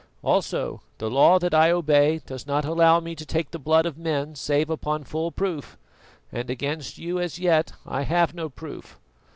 Also, the law that I obey does not allow me to take the blood of men save upon full proof, and against you as yet I have no proof.